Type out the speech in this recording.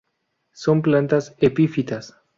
Son plantas epífitas.